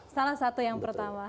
salah satu yang pertama